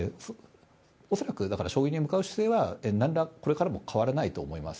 恐らく、将棋に向かう姿勢はこれからも何ら変わらないと思います。